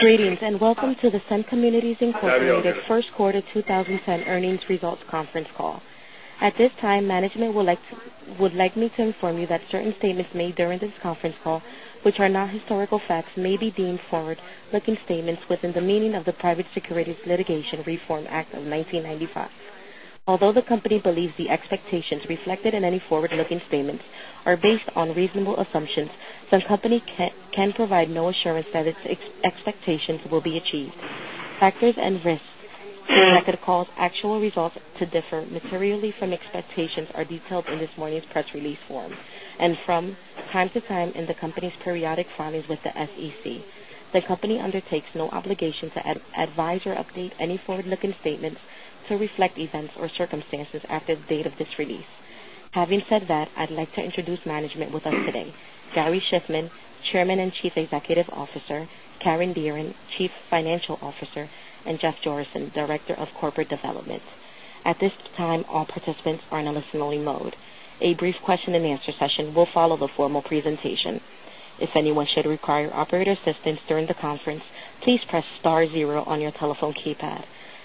Greetings and welcome to the Sun Communities Incorporated First Quarter 2010 Earnings Results Conference Call. At this time, management would like me to inform you that certain statements made during this conference call, which are not historical facts, may be deemed forward-looking statements within the meaning of the Private Securities Litigation Reform Act of 1995. Although the company believes the expectations reflected in any forward-looking statements are based on reasonable assumptions, the company can provide no assurance that its expectations will be achieved. Factors and risks that could cause actual results to differ materially from expectations are detailed in this morning's press release form and from time to time in the company's periodic filings with the SEC. The company undertakes no obligation to advise or update any forward-looking statements to reflect events or circumstances as of the date of this release. Having said that, I'd like to introduce management with us today: Gary Shiffman, Chairman and Chief Executive Officer, Karen Dearing, Chief Financial Officer, and Jeff Jorissen, Director of Corporate Development. At this time, all participants are in a listen-only mode. A brief question-and-answer session will follow the formal presentation. If anyone should require operator assistance during the conference, please press star zero on your telephone keypad.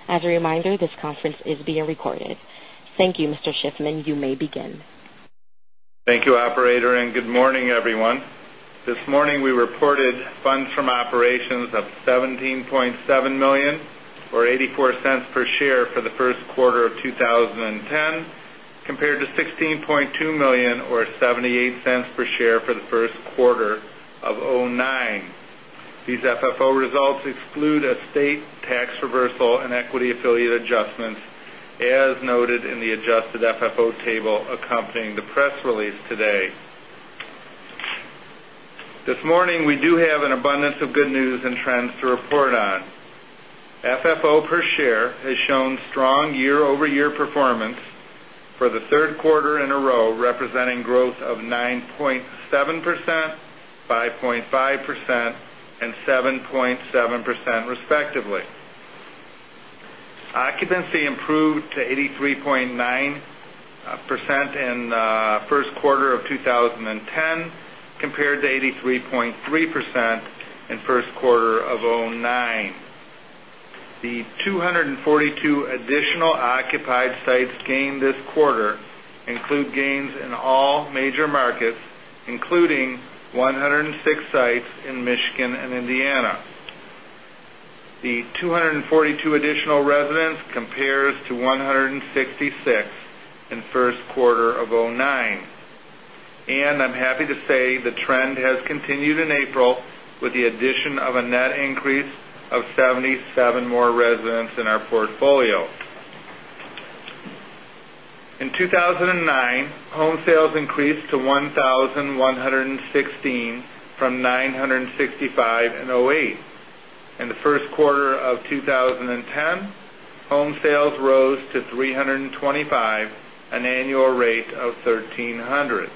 As a reminder, this conference is being recorded. Thank you, Mr. Shiffman. You may begin. Thank you, Operator, and good morning, everyone. This morning, we reported funds from operations of $17.7 million, or $0.84 per share, for the first quarter of 2010, compared to $16.2 million, or $0.78 per share, for the first quarter of 2009. These FFO results exclude state tax reversal, and equity-affiliated adjustments, as noted in the adjusted FFO table accompanying the press release today. This morning, we do have an abundance of good news and trends to report on. FFO per share has shown strong year-over-year performance for the third quarter in a row, representing growth of 9.7%, 5.5%, and 7.7%, respectively. Occupancy improved to 83.9% in the first quarter of 2010, compared to 83.3% in the first quarter of 2009. The 242 additional occupied sites gained this quarter include gains in all major markets, including 106 sites in Michigan and Indiana. The 242 additional residents compares to 166 in the first quarter of 2009. I'm happy to say the trend has continued in April, with the addition of a net increase of 77 more residents in our portfolio. In 2009, home sales increased to 1,116 from 965 in 2008. In the first quarter of 2010, home sales rose to 325, an annual rate of 1,300.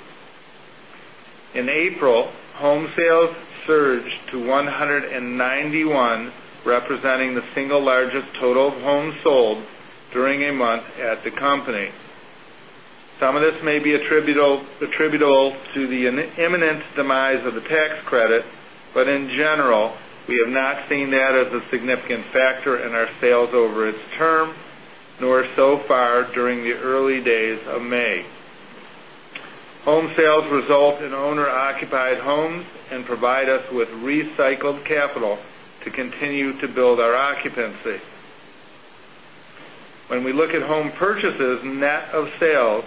In April, home sales surged to 191, representing the single largest total of homes sold during a month at the company. Some of this may be attributable to the imminent demise of the tax credit, but in general, we have not seen that as a significant factor in our sales over its term, nor so far during the early days of May. Home sales result in owner-occupied homes and provide us with recycled capital to continue to build our occupancy. When we look at home purchases net of sales,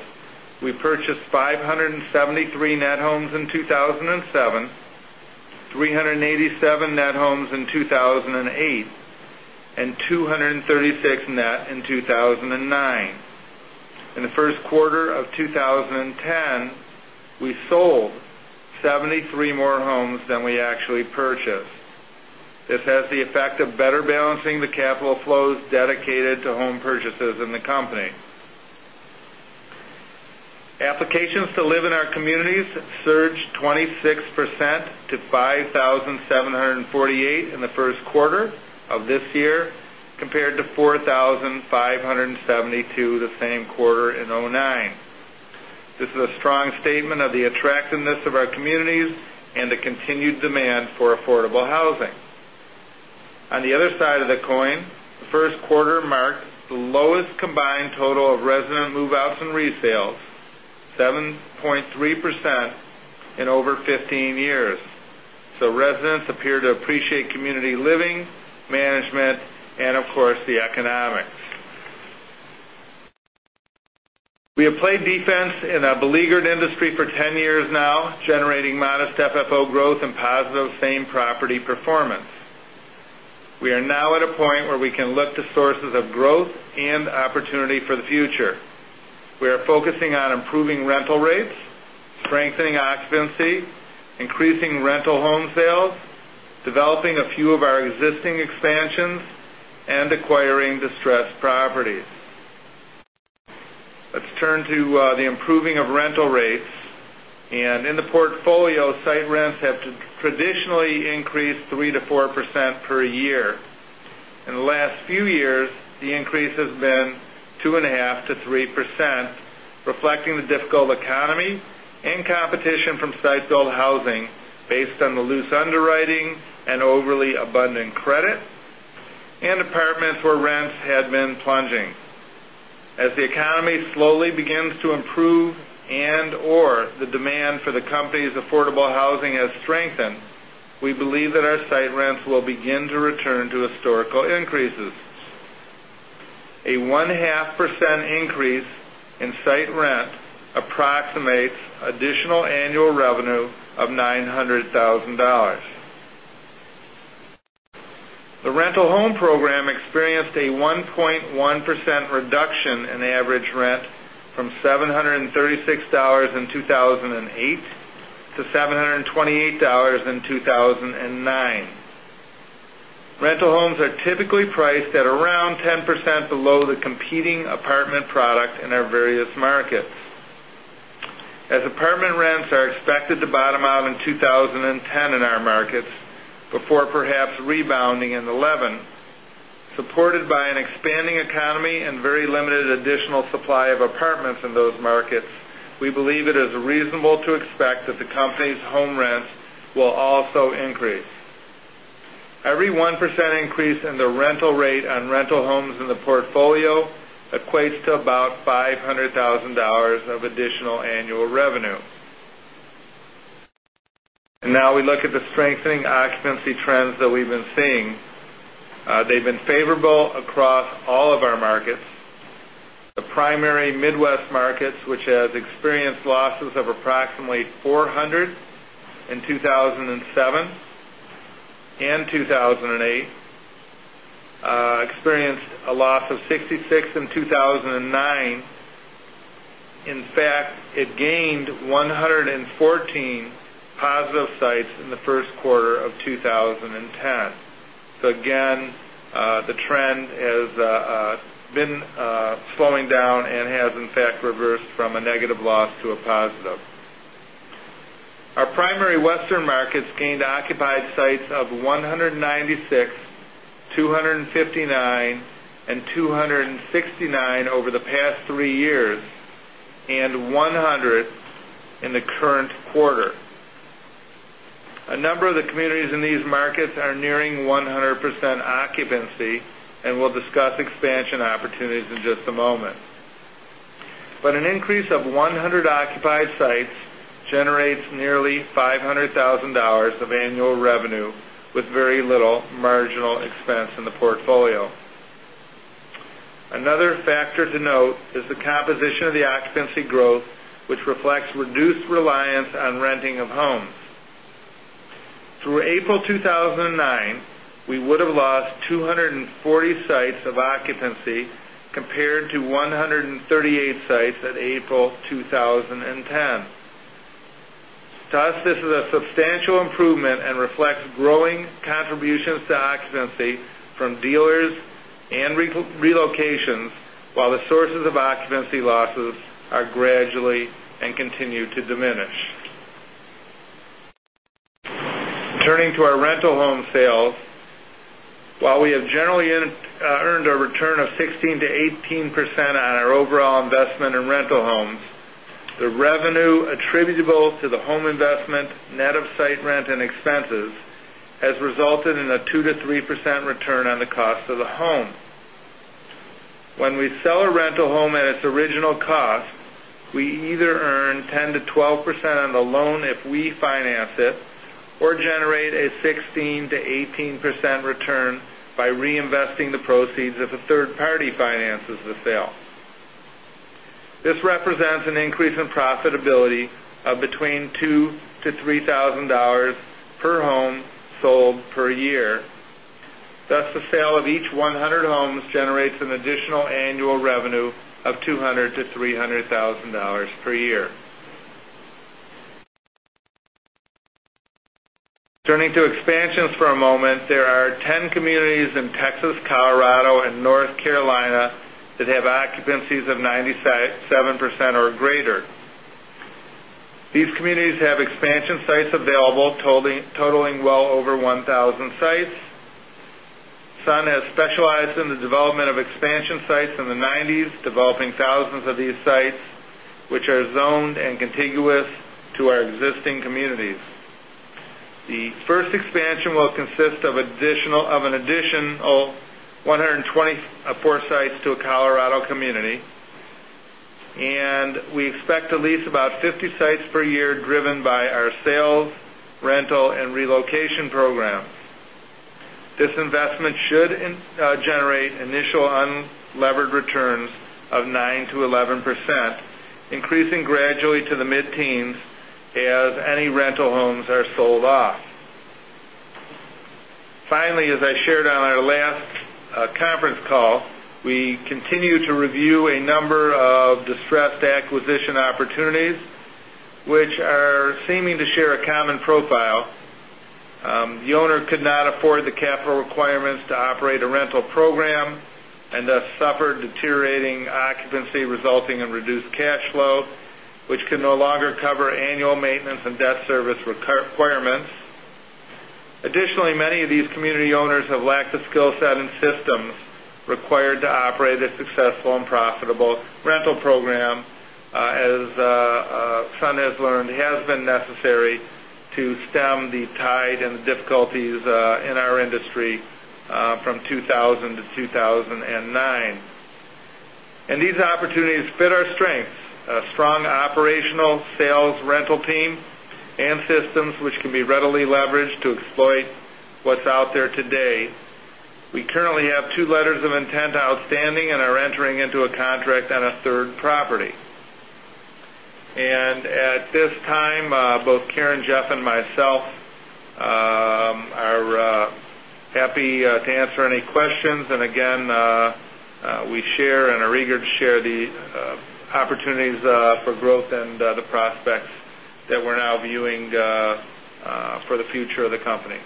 we purchased 573 net homes in 2007, 387 net homes in 2008, and 236 net in 2009. In the first quarter of 2010, we sold 73 more homes than we actually purchased. This has the effect of better balancing the capital flows dedicated to home purchases in the company. Applications to live in our communities surged 26% to 5,748 in the first quarter of this year, compared to 4,572 the same quarter in 2009. This is a strong statement of the attractiveness of our communities and the continued demand for affordable housing. On the other side of the coin, the first quarter marked the lowest combined total of resident move-outs and resales, 7.3% in over 15 years. So residents appear to appreciate community living, management, and, of course, the economics. We have played defense in a beleaguered industry for 10 years now, generating modest FFO growth and positive same-property performance. We are now at a point where we can look to sources of growth and opportunity for the future. We are focusing on improving rental rates, strengthening occupancy, increasing rental home sales, developing a few of our existing expansions, and acquiring distressed properties. Let's turn to the improving of rental rates. In the portfolio, site rents have traditionally increased 3%-4% per year. In the last few years, the increase has been 2.5%-3%, reflecting the difficult economy and competition from site-built housing based on the loose underwriting and overly abundant credit, and apartments where rents had been plunging. As the economy slowly begins to improve and/or the demand for the company's affordable housing has strengthened, we believe that our site rents will begin to return to historical increases. A 1.5% increase in site rent approximates additional annual revenue of $900,000. The rental home program experienced a 1.1% reduction in average rent from $736 in 2008 to $728 in 2009. Rental homes are typically priced at around 10% below the competing apartment product in our various markets. As apartment rents are expected to bottom out in 2010 in our markets before perhaps rebounding in 2011, supported by an expanding economy and very limited additional supply of apartments in those markets, we believe it is reasonable to expect that the company's home rents will also increase. Every 1% increase in the rental rate on rental homes in the portfolio equates to about $500,000 of additional annual revenue. Now we look at the strengthening occupancy trends that we've been seeing. They've been favorable across all of our markets. The primary Midwest markets, which has experienced losses of approximately 400 in 2007 and 2008, experienced a loss of 66 in 2009. In fact, it gained 114 positive sites in the first quarter of 2010. So again, the trend has been slowing down and has, in fact, reversed from a negative loss to a positive. Our primary Western markets gained occupied sites of 196, 259, and 269 over the past three years, and 100 in the current quarter. A number of the communities in these markets are nearing 100% occupancy, and we'll discuss expansion opportunities in just a moment. An increase of 100 occupied sites generates nearly $500,000 of annual revenue with very little marginal expense in the portfolio. Another factor to note is the composition of the occupancy growth, which reflects reduced reliance on renting of homes. Through April 2009, we would have lost 240 sites of occupancy compared to 138 sites at April 2010. Thus, this is a substantial improvement and reflects growing contributions to occupancy from dealers and relocations, while the sources of occupancy losses are gradually and continue to diminish. Turning to our rental home sales, while we have generally earned a return of 16%-18% on our overall investment in rental homes, the revenue attributable to the home investment, net of site rent, and expenses has resulted in a 2%-3% return on the cost of the home. When we sell a rental home at its original cost, we either earn 10%-12% on the loan if we finance it or generate a 16%-18% return by reinvesting the proceeds if a third party finances the sale. This represents an increase in profitability of between $2,000-$3,000 per home sold per year. Thus, the sale of each 100 homes generates an additional annual revenue of $200,000-$300,000 per year. Turning to expansions for a moment, there are 10 communities in Texas, Colorado, and North Carolina that have occupancies of 97% or greater. These communities have expansion sites available, totaling well over 1,000 sites. Sun has specialized in the development of expansion sites in the 1990s, developing thousands of these sites, which are zoned and contiguous to our existing communities. The first expansion will consist of an additional 124 sites to a Colorado community, and we expect to lease about 50 sites per year driven by our sales, rental, and relocation programs. This investment should generate initial unlevered returns of 9%-11%, increasing gradually to the mid-teens as any rental homes are sold off. Finally, as I shared on our last conference call, we continue to review a number of distressed acquisition opportunities, which are seeming to share a common profile. The owner could not afford the capital requirements to operate a rental program and thus suffered deteriorating occupancy resulting in reduced cash flow, which can no longer cover annual maintenance and debt service requirements. Additionally, many of these community owners have lacked the skill set and systems required to operate a successful and profitable rental program, as Sun has learned has been necessary to stem the tide and the difficulties in our industry from 2000 to 2009. These opportunities fit our strengths: a strong operational sales rental team and systems, which can be readily leveraged to exploit what's out there today. We currently have two letters of intent outstanding and are entering into a contract on a third property. At this time, both Karen, Jeff, and myself are happy to answer any questions. Again, we share and are eager to share the opportunities for growth and the prospects that we're now viewing for the future of the company.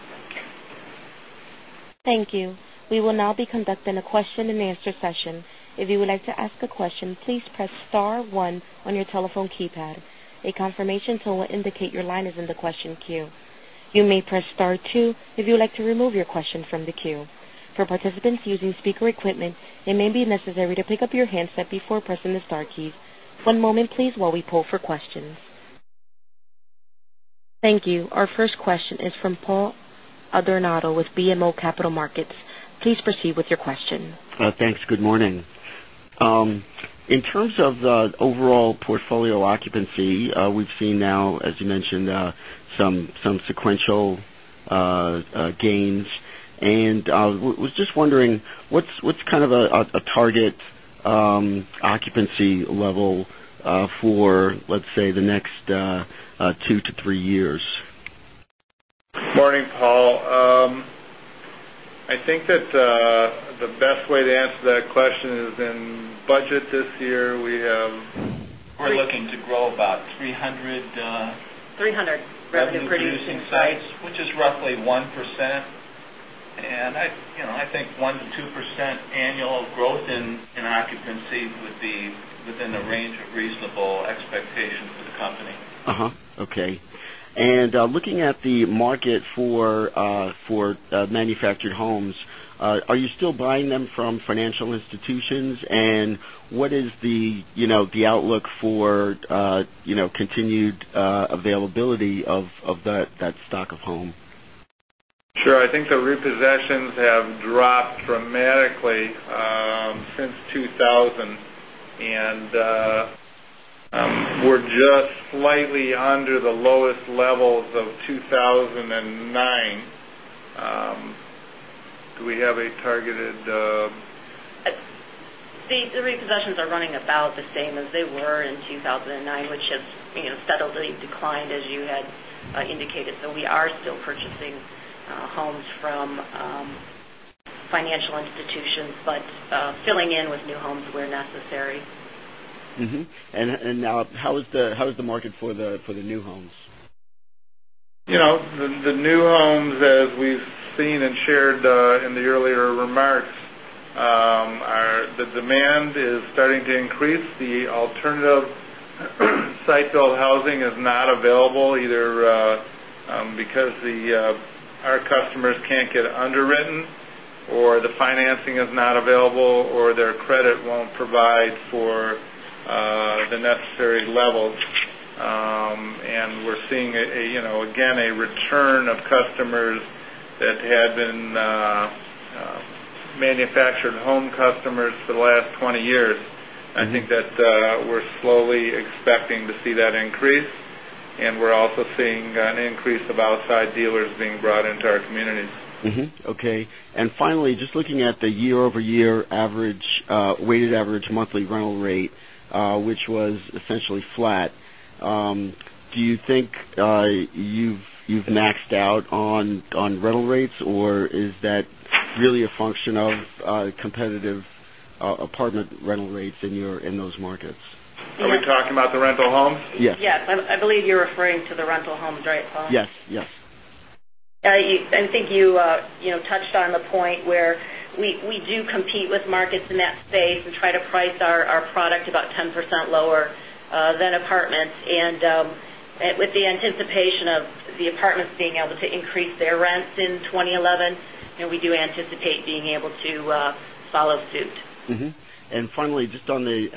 Thank you. We will now be conducting a question-and-answer session. If you would like to ask a question, please press star one on your telephone keypad. A confirmation tone will indicate your line is in the question queue. You may press star two if you would like to remove your question from the queue. For participants using speaker equipment, it may be necessary to pick up your handset before pressing the Star keys. One moment, please, while we poll for questions. Thank you. Our first question is from Paul Adornato with BMO Capital Markets. Please proceed with your question. Thanks. Good morning. In terms of the overall portfolio occupancy, we've seen now, as you mentioned, some sequential gains. And I was just wondering, what's kind of a target occupancy level for, let's say, the next two to three years? Morning, Paul. I think that the best way to answer that question is in budget this year, we have. We're looking to grow about 300 revenue-producing sites, which is roughly 1%. And I think 1%-2% annual growth in occupancy would be within the range of reasonable expectations for the company. Okay. And looking at the market for manufactured homes, are you still buying them from financial institutions? And what is the outlook for continued availability of that stock of home? Sure. I think the repossessions have dropped dramatically since 2000, and we're just slightly under the lowest levels of 2009. Do we have a targeted? The repossessions are running about the same as they were in 2009, which has steadily declined, as you had indicated. So we are still purchasing homes from financial institutions, but filling in with new homes where necessary. And now, how is the market for the new homes? The new homes, as we've seen and shared in the earlier remarks, the demand is starting to increase. The alternative site-built housing is not available, either because our customers can't get underwritten, or the financing is not available, or their credit won't provide for the necessary levels. And we're seeing, again, a return of customers that had been manufactured home customers for the last 20 years. I think that we're slowly expecting to see that increase. And we're also seeing an increase of outside dealers being brought into our communities. Okay. And finally, just looking at the year-over-year weighted average monthly rental rate, which was essentially flat, do you think you've maxed out on rental rates, or is that really a function of competitive apartment rental rates in those markets? Are we talking about the rental homes? Yes. Yes. I believe you're referring to the rental homes, right, Paul? Yes. Yes. I think you touched on the point where we do compete with markets in that space and try to price our product about 10% lower than apartments. And with the anticipation of the apartments being able to increase their rents in 2011, we do anticipate being able to follow suit. And finally, just on the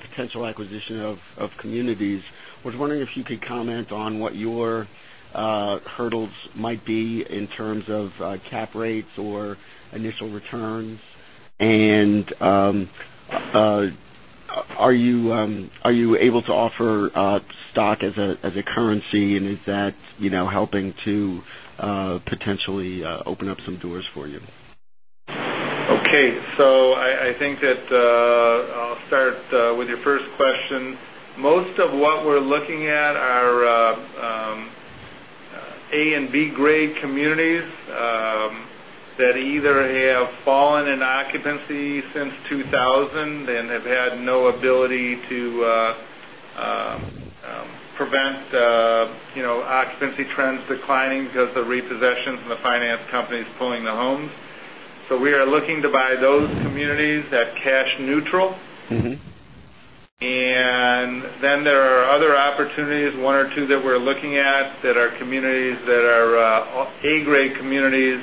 potential acquisition of communities, I was wondering if you could comment on what your hurdles might be in terms of cap rates or initial returns. And are you able to offer stock as a currency, and is that helping to potentially open up some doors for you? Okay. So I think that I'll start with your first question. Most of what we're looking at are A and B-grade communities that either have fallen in occupancy since 2000 and have had no ability to prevent occupancy trends declining because of the repossessions and the finance companies pulling the homes. So we are looking to buy those communities at cash neutral. And then there are other opportunities, one or two that we're looking at, that are communities that are A-grade communities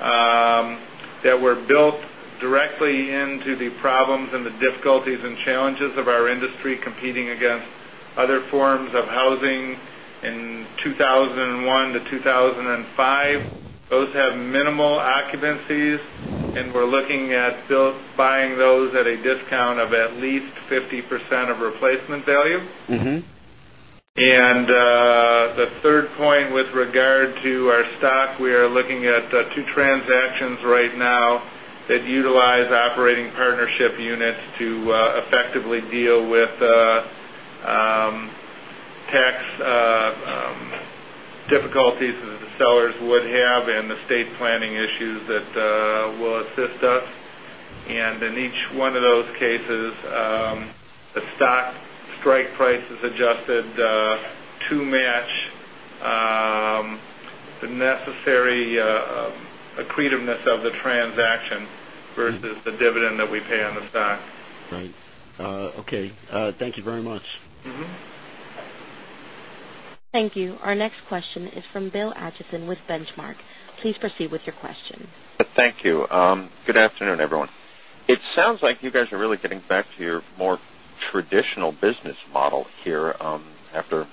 that were built directly into the problems and the difficulties and challenges of our industry competing against other forms of housing in 2001 to 2005. Those have minimal occupancies, and we're looking at buying those at a discount of at least 50% of replacement value. And the third point with regard to our stock, we are looking at 2 transactions right now that utilize Operating Partnership Units to effectively deal with tax difficulties that the sellers would have and the estate planning issues that will assist us. And in each one of those cases, the stock strike price is adjusted to match the necessary accretiveness of the transaction versus the dividend that we pay on the stock. Right. Okay. Thank you very much. Thank you. Our next question is from Will Acheson with Benchmark. Please proceed with your question. Thank you. Good afternoon, everyone. It sounds like you guys are really getting back to your more traditional business model here after,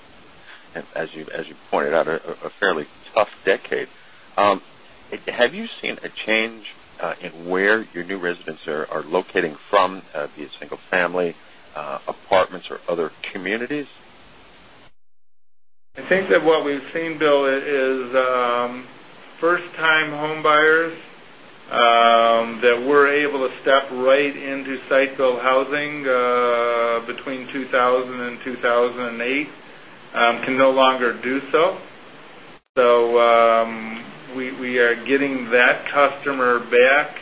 as you pointed out, a fairly tough decade. Have you seen a change in where your new residents are locating from, be it single-family apartments or other communities? I think that what we've seen, Bill, is first-time home buyers that were able to step right into site-built housing between 2000 and 2008 can no longer do so. So we are getting that customer back.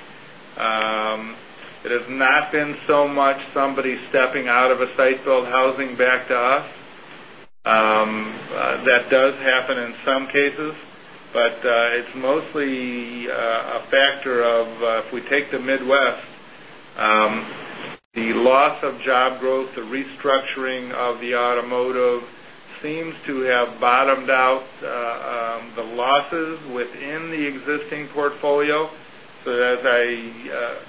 It has not been so much somebody stepping out of a site-built housing back to us. That does happen in some cases, but it's mostly a factor of if we take the Midwest, the loss of job growth, the restructuring of the automotive seems to have bottomed out the losses within the existing portfolio. So as I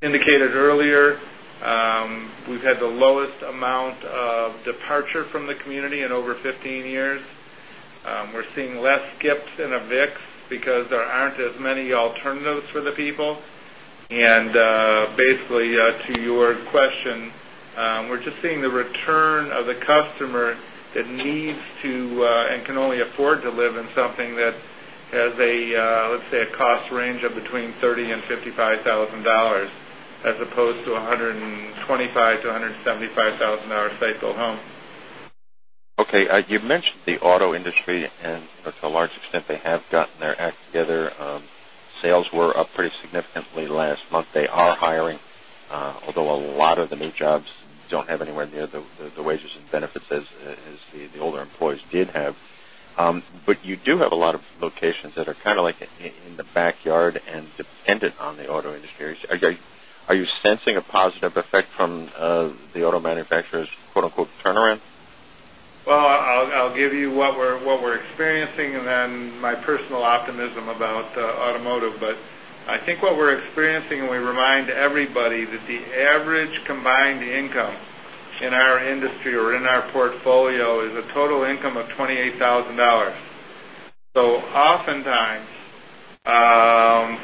indicated earlier, we've had the lowest amount of departure from the community in over 15 years. We're seeing less skips and evicts because there aren't as many alternatives for the people. Basically, to your question, we're just seeing the return of the customer that needs to and can only afford to live in something that has, let's say, a cost range of between $30,000 and $55,000 as opposed to a $125,000-$175,000 site-built home. Okay. You mentioned the auto industry, and to a large extent, they have gotten their act together. Sales were up pretty significantly last month. They are hiring, although a lot of the new jobs don't have anywhere near the wages and benefits as the older employees did have. But you do have a lot of locations that are kind of like in the backyard and dependent on the auto industry. Are you sensing a positive effect from the auto manufacturers' "turnaround"? Well, I'll give you what we're experiencing and then my personal optimism about automotive. But I think what we're experiencing, and we remind everybody, that the average combined income in our industry or in our portfolio is a total income of $28,000. So oftentimes,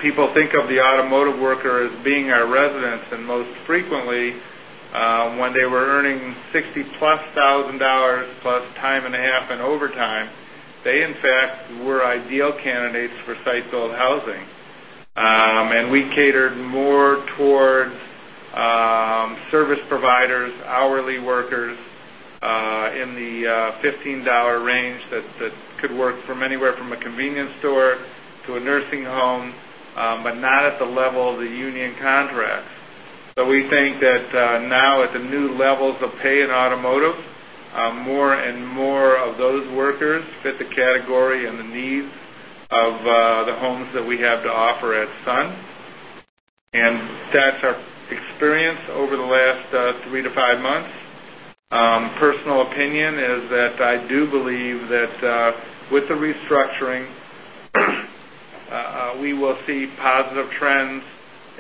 people think of the automotive worker as being our residents. And most frequently, when they were earning $60,000 plus $1,000 plus time and a half and overtime, they, in fact, were ideal candidates for site-built housing. And we catered more towards service providers, hourly workers in the $15 range that could work from anywhere from a convenience store to a nursing home, but not at the level of the union contracts. So we think that now, at the new levels of pay in automotive, more and more of those workers fit the category and the needs of the homes that we have to offer at Sun. And that's our experience over the last 3 to 5 months. Personal opinion is that I do believe that with the restructuring, we will see positive trends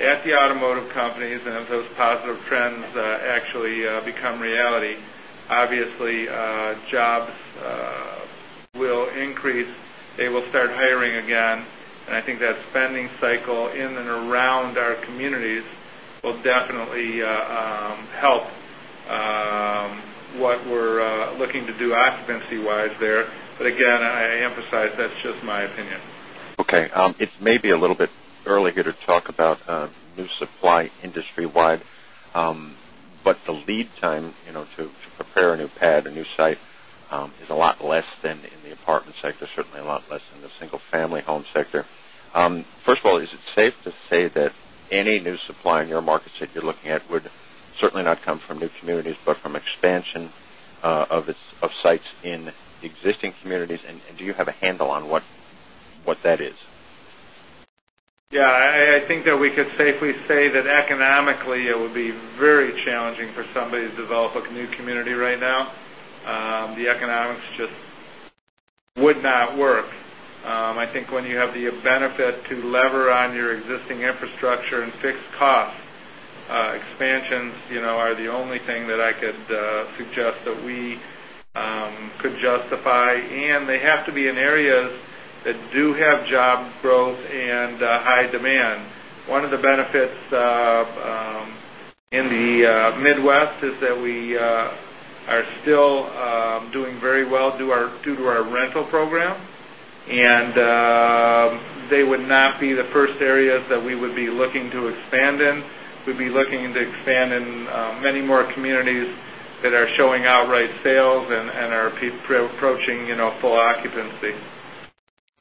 at the automotive companies. As those positive trends actually become reality, obviously, jobs will increase. They will start hiring again. I think that spending cycle in and around our communities will definitely help what we're looking to do occupancy-wise there. But again, I emphasize that's just my opinion. Okay. It may be a little bit early here to talk about new supply industry-wide, but the lead time to prepare a new pad, a new site, is a lot less than in the apartment sector, certainly a lot less than the single-family home sector. First of all, is it safe to say that any new supply in your markets that you're looking at would certainly not come from new communities but from expansion of sites in existing communities? And do you have a handle on what that is? Yeah. I think that we could safely say that economically, it would be very challenging for somebody to develop a new community right now. The economics just would not work. I think when you have the benefit to leverage on your existing infrastructure and fixed costs, expansions are the only thing that I could suggest that we could justify. And they have to be in areas that do have job growth and high demand. One of the benefits in the Midwest is that we are still doing very well due to our rental program. And they would not be the first areas that we would be looking to expand in. We'd be looking to expand in many more communities that are showing outright sales and are approaching full occupancy.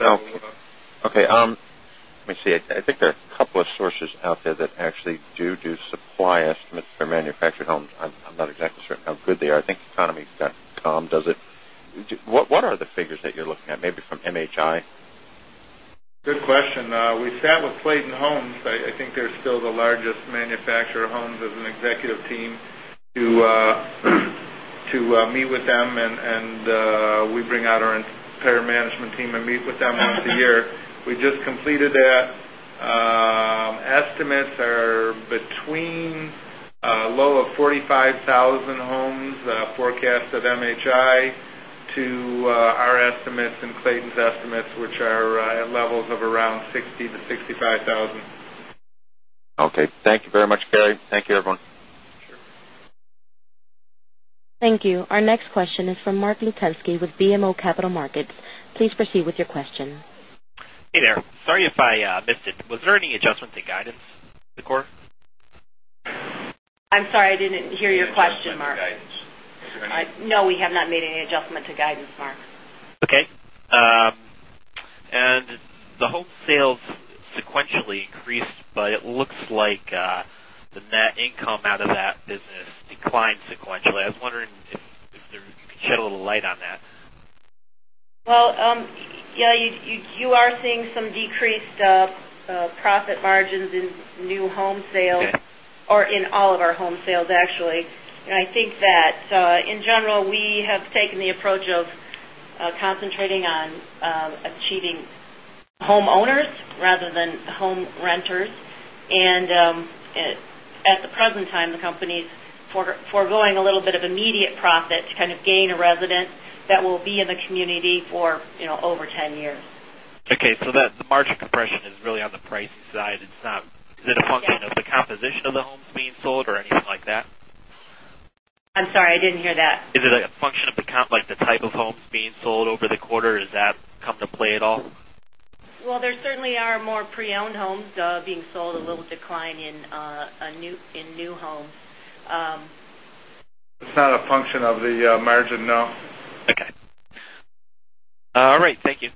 Okay. Let me see. I think there are a couple of sources out there that actually do do supply estimates for manufactured homes. I'm not exactly certain how good they are. I think Economy.com does it. What are the figures that you're looking at, maybe from MHI? Good question. We sat with Clayton Homes. I think they're still the largest manufacturer of homes as an executive team. To meet with them, and we bring out our entire management team and meet with them once a year. We just completed that. Estimates are between a low of 45,000 homes, forecast at MHI, to our estimates and Clayton's estimates, which are at levels of around 60,000 to 65,000. Okay. Thank you very much, Gary. Thank you, everyone. Sure. Thank you. Our next question is from Mark Lutelski with BMO Capital Markets. Please proceed with your question. Hey there. Sorry if I missed it. Was there any adjustments in guidance to the core? I'm sorry. I didn't hear your question, Mark. No, we have not made any adjustment to guidance, Mark. Okay. And the wholesales sequentially increased, but it looks like the net income out of that business declined sequentially. I was wondering if you could shed a little light on that. Well, yeah, you are seeing some decreased profit margins in new home sales or in all of our home sales, actually. And I think that, in general, we have taken the approach of concentrating on achieving homeowners rather than home renters. And at the present time, the company is foregoing a little bit of immediate profit to kind of gain a resident that will be in the community for over 10 years. Okay. So the margin compression is really on the price side. Is it a function of the composition of the homes being sold or anything like that? I'm sorry. I didn't hear that. Is it a function of the type of homes being sold over the quarter? Does that come to play at all? Well, there certainly are more pre-owned homes being sold, a little decline in new homes. It's not a function of the margin, no. Okay. All right. Thank you.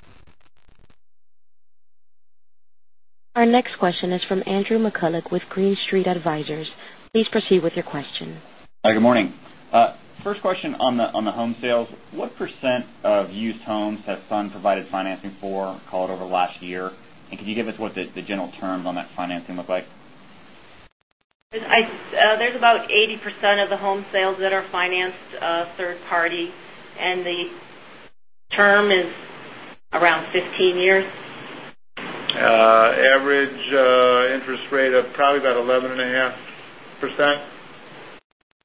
Our next question is from Andrew McCulloch with Green Street Advisors. Please proceed with your question. Hi. Good morning. First question on the home sales. What percent of used homes has Sun provided financing for, call it, over the last year? And can you give us what the general terms on that financing look like? There's about 80% of the home sales that are financed third-party, and the term is around 15 years. Average interest rate of probably about 11.5%.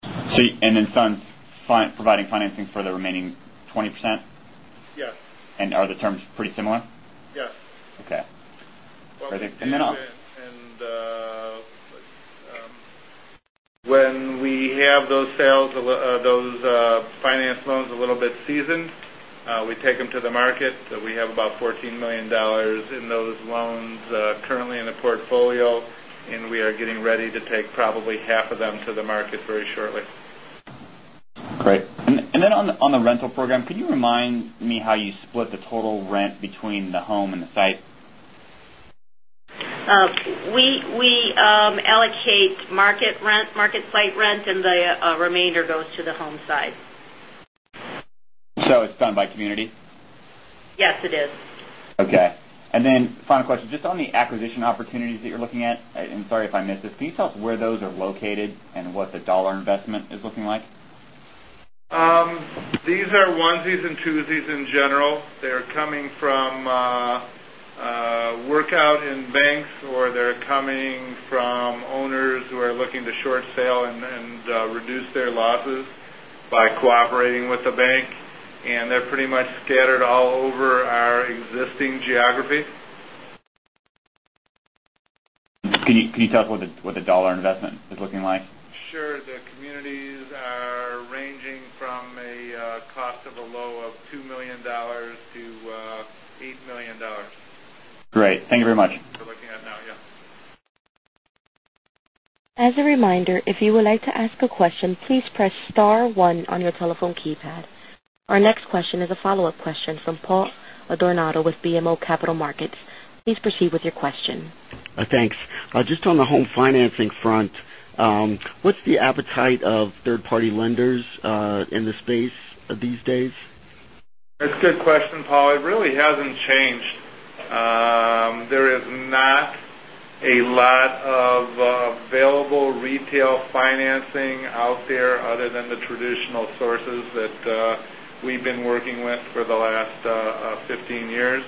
Andd then Sun providing financing for the remaining 20%? Yes. And are the terms pretty similar? Yes. Okay. And then I'll. And when we have those finance loans a little bit seasoned, we take them to the market. We have about $14 million in those loans currently in the portfolio, and we are getting ready to take probably half of them to the market very shortly. Great. And then on the rental program, could you remind me how you split the total rent between the home and the site? We allocate market rent, market site rent, and the remainder goes to the home side. So it's done by community? Yes, it is. Okay. And then final question. Just on the acquisition opportunities that you're looking at, and sorry if I missed this, can you tell us where those are located and what the dollar investment is looking like? These are onesies and twosies in general. They're coming from workout and banks, or they're coming from owners who are looking to short sale and reduce their losses by cooperating with the bank. And they're pretty much scattered all over our existing geography. Can you tell us what the dollar investment is looking like? Sure. The communities are ranging from a cost of a low of $2 million-$8 million. Great. Thank you very much. We're looking at now, yeah. As a reminder, if you would like to ask a question, please press star one on your telephone keypad. Our next question is a follow-up question from Paul Adornato with BMO Capital Markets. Please proceed with your question. Thanks. Just on the home financing front, what's the appetite of third-party lenders in the space these days? That's a good question, Paul. It really hasn't changed. There is not a lot of available retail financing out there other than the traditional sources that we've been working with for the last 15 years.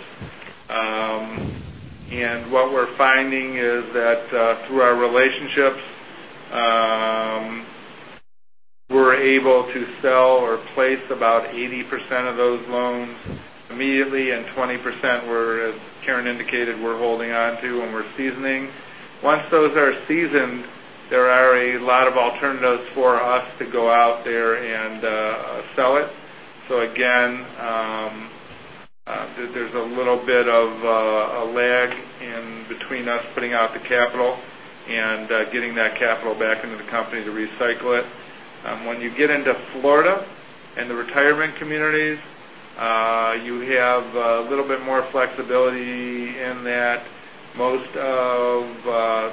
And what we're finding is that through our relationships, we're able to sell or place about 80% of those loans immediately, and 20%, as Karen indicated, we're holding on to and we're seasoning. Once those are seasoned, there are a lot of alternatives for us to go out there and sell it. So again, there's a little bit of a lag in between us putting out the capital and getting that capital back into the company to recycle it. When you get into Florida and the retirement communities, you have a little bit more flexibility in that most of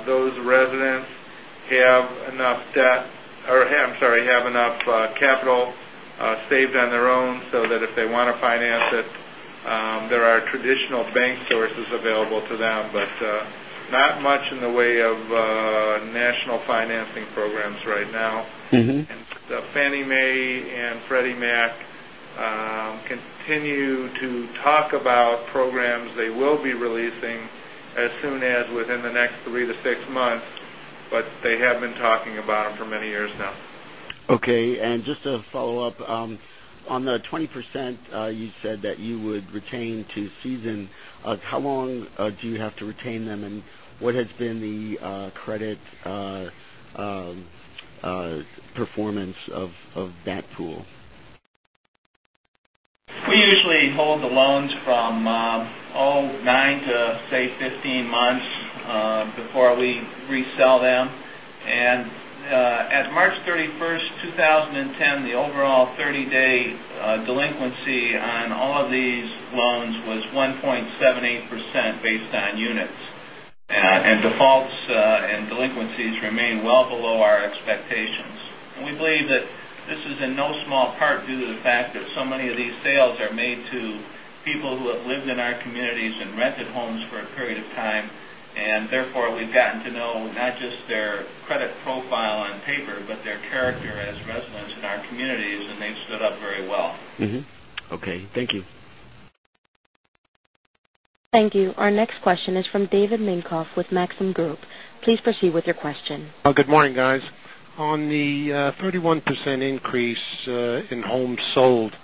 those residents have enough debt or, I'm sorry, have enough capital saved on their own so that if they want to finance it, there are traditional bank sources available to them, but not much in the way of national financing programs right now. And Fannie Mae and Freddie Mac continue to talk about programs. They will be releasing as soon as within the next 3-6 months, but they have been talking about them for many years now. Okay. And just to follow up, on the 20%, you said that you would retain to season. How long do you have to retain them, and what has been the credit performance of that pool? We usually hold the loans from, oh, 9 to, say, 15 months before we resell them. At March 31st, 2010, the overall 30-day delinquency on all of these loans was 1.78% based on units. Defaults and delinquencies remain well below our expectations. We believe that this is in no small part due to the fact that so many of these sales are made to people who have lived in our communities and rented homes for a period of time. Therefore, we've gotten to know not just their credit profile on paper, but their character as residents in our communities, and they've stood up very well. Okay. Thank you. Thank you. Our next question is from David Minkoff with Maxim Group. Please proceed with your question. Good morning, guys. On the 31% increase in homes sold,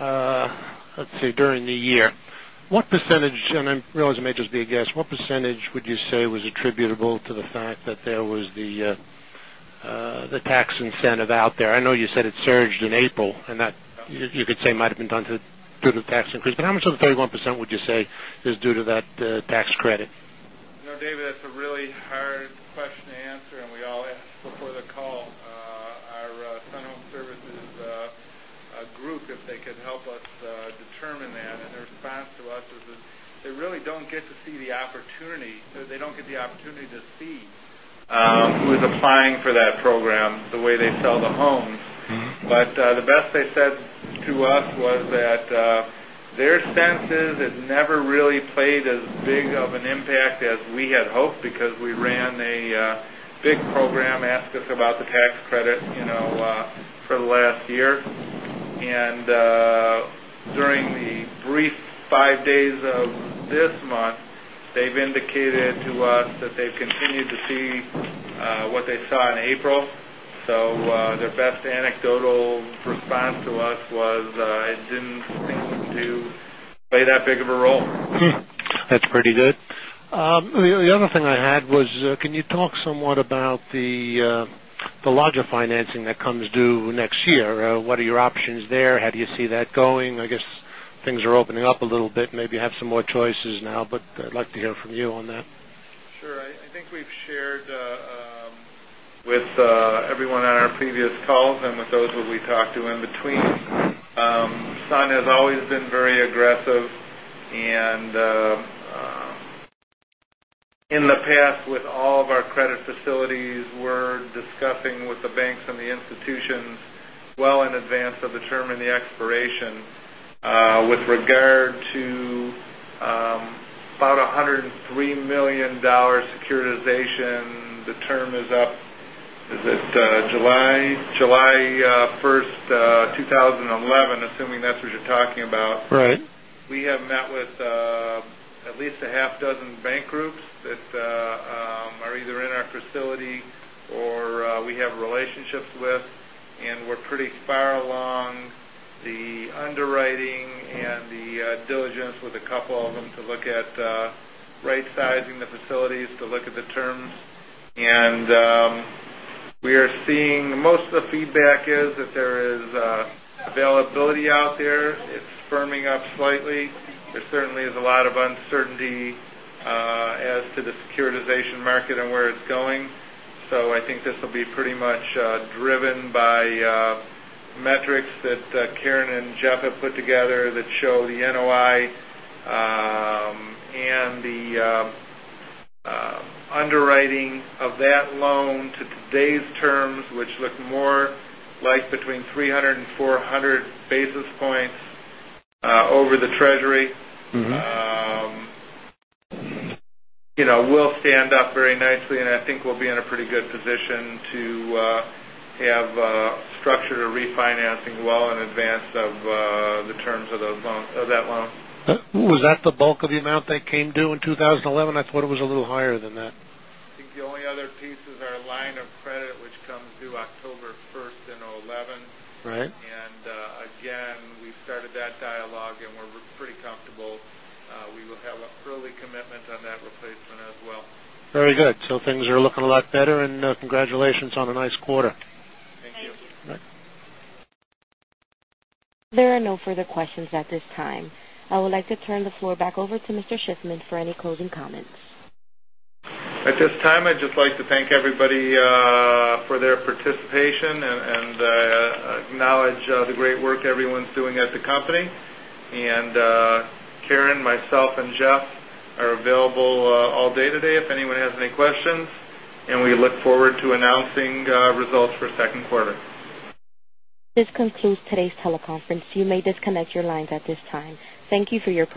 let's say, during the year, what percentage—and I realize it may just be a guess—what percentage would you say was attributable to the fact that there was the tax incentive out there? I know you said it surged in April, and you could say it might have been done due to the tax increase. But how much of the 31% would you say is due to that tax credit? No, David, that's a really hard question to answer, and we all asked before the call. Our Sun Home Services group, if they could help us determine that. And their response to us is that they really don't get to see the opportunity. They don't get the opportunity to see who's applying for that program, the way they sell the homes. But the best they said to us was that their sense is it never really played as big of an impact as we had hoped because we ran a big program, Ask Us About the Tax credit for the last year. And during the brief 5 days of this month, they've indicated to us that they've continued to see what they saw in April. So their best anecdotal response to us was, "It didn't seem to play that big of a role." That's pretty good. The other thing I had was, can you talk somewhat about the larger financing that comes due next year? What are your options there? How do you see that going? I guess things are opening up a little bit. Maybe you have some more choices now, but I'd like to hear from you on that. Sure. I think we've shared with everyone on our previous calls and with those who we talked to in between. Sun has always been very aggressive. And in the past, with all of our credit facilities, we're discussing with the banks and the institutions well in advance of determining the expiration. With regard to about $103 million securitization, the term is up. Is it July 1st, 2011, assuming that's what you're talking about? We have met with at least a half dozen bank groups that are either in our facility or we have relationships with. And we're pretty far along the underwriting and the diligence with a couple of them to look at right-sizing the facilities, to look at the terms. And we are seeing most of the feedback is that there is availability out there. It's firming up slightly. There certainly is a lot of uncertainty as to the securitization market and where it's going. So I think this will be pretty much driven by metrics that Karen and Jeff have put together that show the NOI and the underwriting of that loan to today's terms, which look more like between 300 and 400 basis points over the Treasury. We'll stand up very nicely, and I think we'll be in a pretty good position to have structured a refinancing well in advance of the terms of that loan. Was that the bulk of the amount they came due in 2011? I thought it was a little higher than that. I think the only other piece is our line of credit, which comes due October 1st in 2011. And again, we started that dialogue, and we're pretty comfortable. We will have an early commitment on that replacement as well. Very good. Things are looking a lot better, and congratulations on a nice quarter. Thank you. Thank you. There are no further questions at this time. I would like to turn the floor back over to Mr. Shiffman for any closing comments. At this time, I'd just like to thank everybody for their participation and acknowledge the great work everyone's doing at the company. Karen, myself, and Jeff are available all day today if anyone has any questions. We look forward to announcing results for second quarter. This concludes today's teleconference. You may disconnect your lines at this time. Thank you for your.